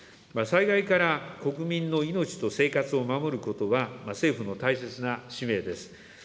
災害から国民の命と生活を守ることは、政府の大切な使命です。